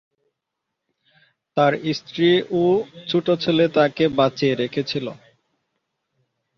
তার স্ত্রী ও ছোট ছেলে তাকে বাঁচিয়ে রেখেছিল।